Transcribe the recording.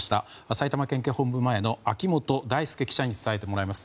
埼玉県警本部前の秋本大輔記者に伝えてもらいます。